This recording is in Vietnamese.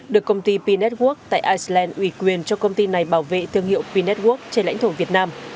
được công ty p network tại iceland ủy quyền cho công ty này bảo vệ thương hiệu p network trên lãnh thổ việt nam